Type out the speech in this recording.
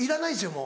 もう。